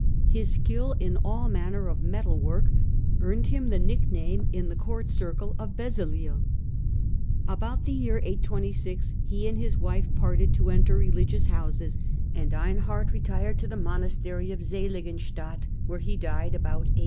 His skill in all manner of metal work earned him the nickname, in the palace circle, of Bezaleel. About the year 826 he and his wife parted to enter religious houses, and Einhard retired to the monastery of Seligenstadt, where he died about 840.